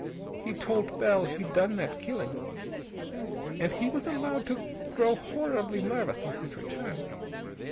He told Bell he'd done that killing. And he was allowed to grow horribly nervous on his return.